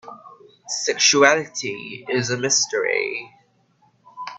Sexuality is a mystery.